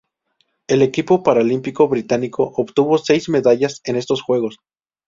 El equipo paralímpico británico obtuvo seis medallas en estos Juegos.